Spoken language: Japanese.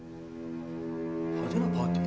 ・派手なパーティー？